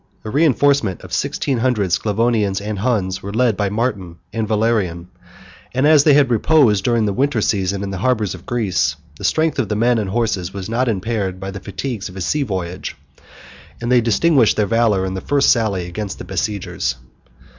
A reenforcement of sixteen hundred Sclavonians and Huns was led by Martin and Valerian; and as they reposed during the winter season in the harbors of Greece, the strength of the men and horses was not impaired by the fatigues of a sea voyage; and they distinguished their valor in the first sally against the besiegers.